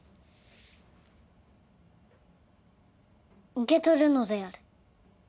受け取るのである。